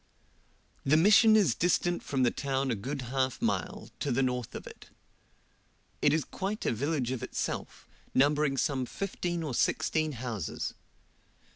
The Mission is distant from the town a good half mile, to the north of it; it is quite a village of itself, numbering some fifteen or sixteen houses.